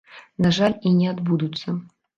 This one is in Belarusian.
На жаль, і не адбудуцца.